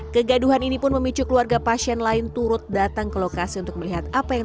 kegaduhan ini pun memicu keluarga pasien lain turut datang ke lokasi untuk melihat apa yang